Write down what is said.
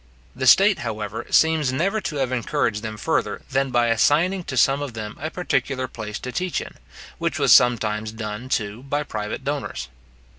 The state, however, seems never to have encouraged them further, than by assigning to some of them a particular place to teach in, which was sometimes done, too, by private donors.